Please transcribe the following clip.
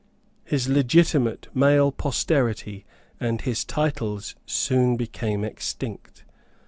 His legitimate male posterity and his titles soon became extinct.